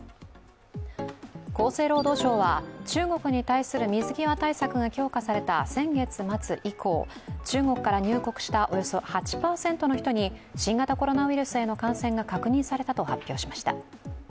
厚生労働省は、中国に対する水際対策が強化された先月末以降中国から入国したおよそ８％の人に新型コロナウイルスへの感染が確認されたと発表しました。